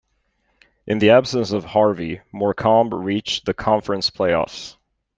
In the absence of Harvey, Morecambe reached the Conference play-offs.